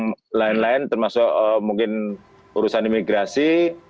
proses yang lain lain termasuk mungkin urusan imigrasi